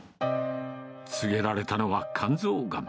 告げられたのは肝臓がん。